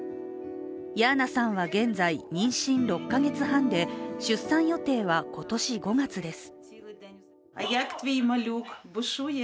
ヤーナさんは現在妊娠６か月半で、出産予定は今年５月です。